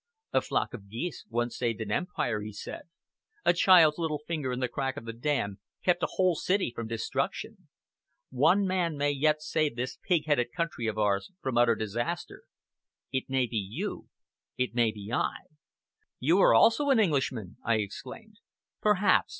"A flock of geese once saved an empire," he said, "a child's little finger in the crack of the dam kept a whole city from destruction. One man may yet save this pig headed country of ours from utter disaster. It may be you it may be I!" "You are also an Englishman!" I exclaimed. "Perhaps!"